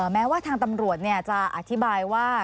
แม้ว่าทางตำรวจจะอธิบายว่า